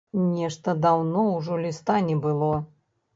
Нешта даўно ўжо ліста не было.